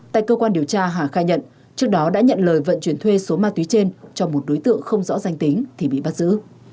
tại cơ quan điều tra hà khai nhận trước đó đã nhận lời vận chuyển thuê số ma túy trên cho một đối tượng không rõ danh tính thì bị bắt giữ